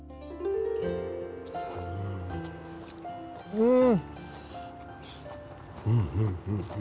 うん。